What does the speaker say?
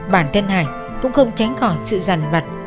bản thân hải cũng không tránh khỏi sự dằn vặt